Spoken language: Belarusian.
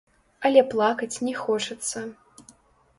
Але плакаць не хочацца.